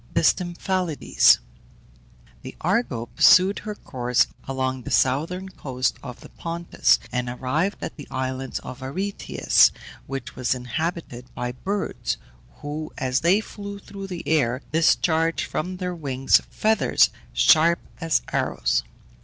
THE STYMPHALIDES. The Argo pursued her course along the southern coast of the Pontus, and arrived at the island of Aretias, which was inhabited by birds, who, as they flew through the air, discharged from their wings feathers sharp as arrows.